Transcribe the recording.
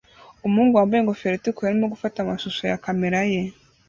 Umuhungu wambaye ingofero itukura arimo gufata amashusho na kamera ye